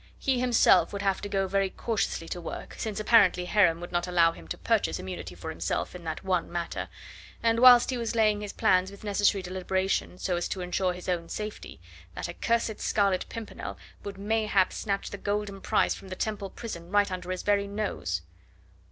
He himself would have to go very cautiously to work, since apparently Heron would not allow him to purchase immunity for himself in that one matter, and whilst he was laying his plans with necessary deliberation so as to ensure his own safety, that accursed Scarlet Pimpernel would mayhap snatch the golden prize from the Temple prison right under his very nose.